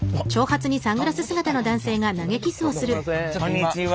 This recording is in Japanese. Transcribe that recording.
こんにちは。